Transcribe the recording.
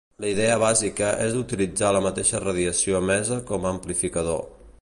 La idea bàsica és utilitzar la mateixa radiació emesa com a amplificador.